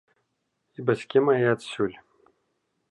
І бацькі мае адсюль.